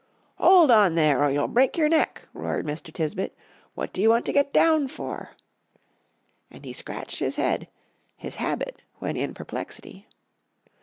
"Hold on there, or you'll break your neck," roared Mr. Tisbett. "What you want to get down for?" and he scratched his head, his habit when in perplexity.